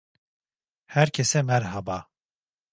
Herkese merhaba.